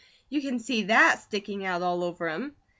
You can see THAT sticking out all over him.